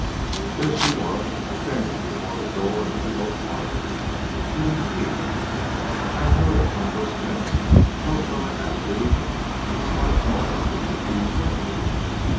There she was, standing before the door of the oak parlor, fitting keys. I knew it at my first glimpse, both from her attitude and the slight noise which the keys made.